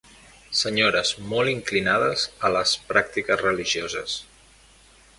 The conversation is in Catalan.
Senyores molt inclinades a les pràctiques religioses.